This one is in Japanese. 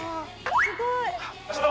すごい。